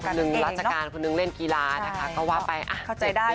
คนนึงราชการคนนึงเล่นกีฬานะคะก็ว่าไป๗ปี